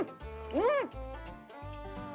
うん！